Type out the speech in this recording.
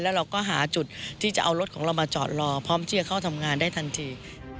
แล้วเราก็หาจุดที่จะเอารถของเรามาจอดรอพร้อมที่จะเข้าทำงานได้ทันที